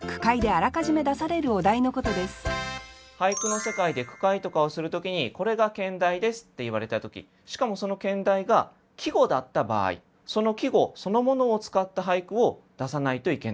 俳句の世界で句会とかをする時にこれが兼題ですって言われた時しかもその兼題が季語だった場合その季語そのものを使った俳句を出さないといけないという。